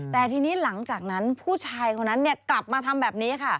แต่ทีนี้หลังจากนั้นผู้ชายคนนั้นกลับมาทำแบบนี้ค่ะ